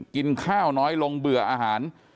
กินข้าวน้อยลงเบื่ออาหาร